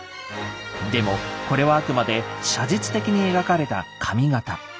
でもこれはあくまで写実的に描かれた紙形。